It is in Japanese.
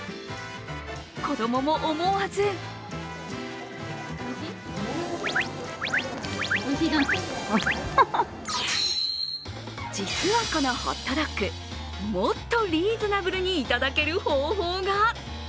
子供も思わず実はこのホットドッグもっとリーズナブルにいただける方法が。